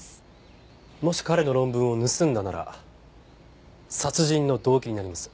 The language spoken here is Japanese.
もし彼の論文を盗んだなら殺人の動機になります。